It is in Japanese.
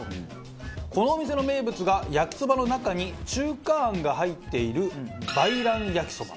このお店の名物が焼きそばの中に中華あんが入っている梅蘭焼きそば。